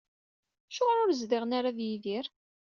Acuɣer ur zdiɣen ara d Yidir?